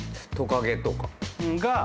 トカゲとか。